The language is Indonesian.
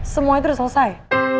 semua itu udah selesai